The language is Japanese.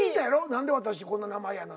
何で私こんな名前やの。